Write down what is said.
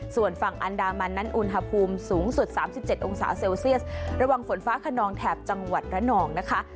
ส่วนฝั่งอันดามันนั้นอุณหภูมิสูงสุด๓๗องศาเซลเซียสระวังฝนฟ้าขนองแถบจังหวัดระนองนะคะ